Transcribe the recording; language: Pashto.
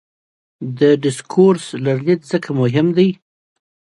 د ډسکورس لرلید ځکه مهم دی.